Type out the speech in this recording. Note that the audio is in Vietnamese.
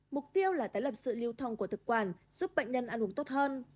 mục tiêu là tái lập sự lưu thông của thực quản giúp bệnh nhân ăn uống tốt hơn